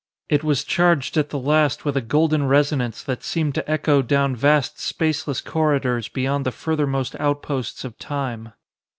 It was charged at the last with a golden resonance that seemed to echo down vast spaceless corridors beyond the furthermost outposts of time.